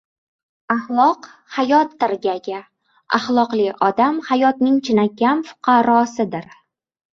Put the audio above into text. Axloq – hayot tirgagi, axloqli odam hayotning chinakam fuqarosidir.